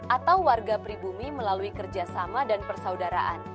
atau warga pribumi melalui kerjasama dan persaudaraan